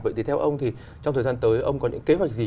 vậy thì theo ông thì trong thời gian tới ông có những kế hoạch gì